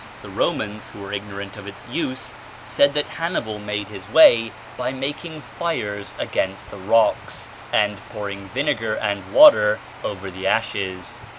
The Romans, who were ignorant of its use, said that Hannibal made his way by making fires against the rocks, and pouring vinegar and water over the ashes.